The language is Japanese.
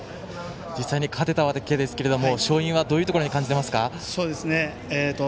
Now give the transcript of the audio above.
実際に勝てたわけですが勝因は、どういうところに感じていますか？